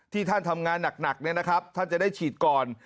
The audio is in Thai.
ที่ท่านทำงานหนักนะครับท่านจะได้ฉีดก่อน